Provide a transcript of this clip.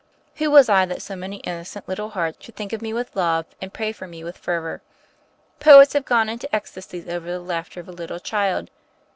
Who was I that so many innocent little hearts should think of me with love and pray for me with fervor. Poets have gone into ecstasies over the laughter of a little child.